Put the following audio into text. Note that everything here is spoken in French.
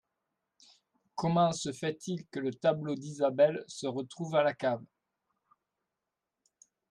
Comment ce fait il que le tableau d'Isabelle se retrouve à la cave?